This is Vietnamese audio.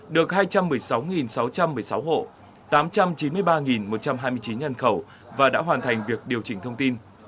được hai trăm một mươi sáu sáu trăm một mươi sáu hộ tám trăm chín mươi ba một trăm hai mươi chín nhân khẩu và đã hoàn thành việc điều chỉnh thông tin